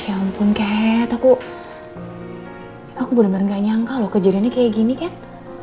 ya ampun kat aku bener bener gak nyangka loh kejadiannya kayak gini kat